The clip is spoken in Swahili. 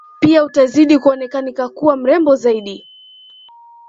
Pia utazidi kuonekana kuwa mrembo zaidi